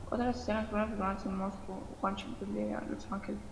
Otras escenas fueron filmadas en Moscú, Washington D. C. y Los Ángeles.